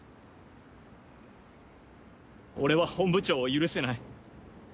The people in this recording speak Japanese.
俺は本部長を許せない。